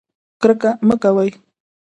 کرکه مه کوئ